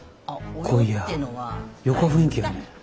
こいやよか雰囲気やね。